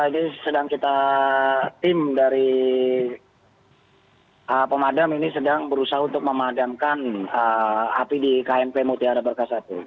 jadi sedang kita tim dari pemadam ini sedang berusaha untuk memadamkan api di kmp mutiara berkas satu